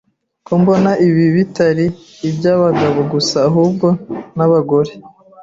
ko mbona ibi atari iby'abagabo gusa ahubwo n'abagore